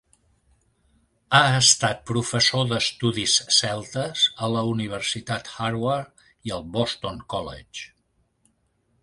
Ha estat professor d'estudis celtes a la Universitat Harvard i al Boston College.